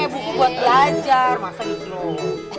buku buat belajar masa gitu